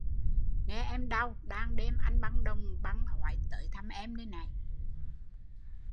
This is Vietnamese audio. Nghe em đau, đang đêm anh băng đồng băng hói tới thăm em